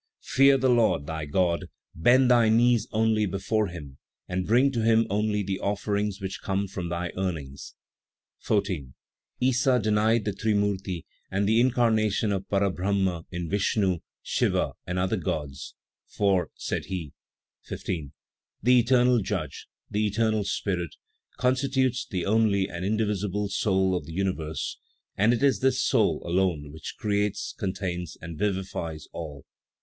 "Fear the Lord, thy God; bend thy knees only before Him and bring to Him only the offerings which come from thy earnings." 14. Issa denied the Trimurti and the incarnation of Para Brahma in Vishnu, Siva, and other gods; "for," said he: 15. "The eternal Judge, the eternal Spirit, constitutes the only and indivisible soul of the universe, and it is this soul alone which creates, contains and vivifies all.